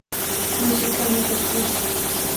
Música marroquí